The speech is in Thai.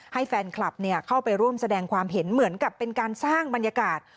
ให้แฟนคลับเข้าไปร่วมแสดงความเห็นเหมือนกับเป็นการสร้างบรรยากาศ